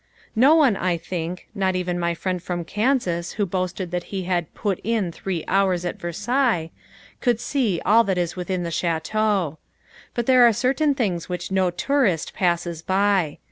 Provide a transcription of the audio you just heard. No one, I think not even my friend from Kansas who boasted that he had "put in" three hours at Versailles could see all that is within the Château. But there are certain things which no tourist passes by.